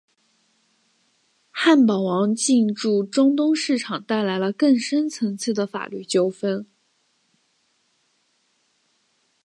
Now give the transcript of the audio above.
汉堡王进驻中东市场带来了更深层次的法律纠纷。